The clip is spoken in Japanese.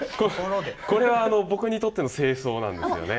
これは僕にとっての正装なんですよね。